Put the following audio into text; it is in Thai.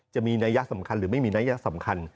จะมีนัยยักษ์สำคัญหรือไม่มีนัยยักษ์สำคัญ